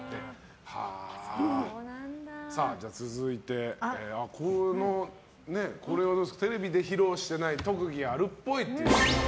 続いてテレビで披露していない特技があるっぽいという。